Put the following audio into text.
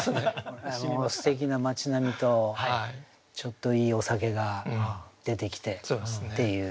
もうすてきな町並みとちょっといいお酒が出てきてっていう。